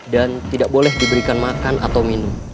dan tidak boleh diberikan makan atau minum